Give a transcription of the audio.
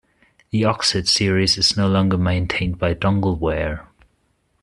The "Oxyd" series is no longer maintained by Dongleware.